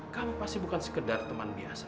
kami pasti bukan sekedar teman biasa